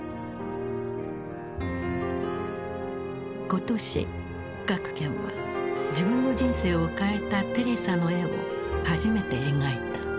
今年郭健は自分の人生を変えたテレサの絵を初めて描いた。